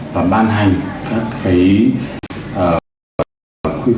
và ban hành các cái